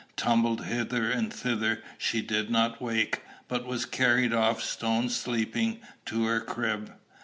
Tumbled hither and thither, she did not wake, but was carried off stone sleeping to her crib.